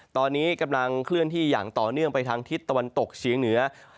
ตอนนี้กำลังเคลื่อนที่อย่างต่อเนื่องไปทางทิศตะวันตกเฉียงเหนือ